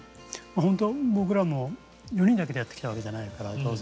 ほんと僕らも４人だけでやってきたわけじゃないから当然。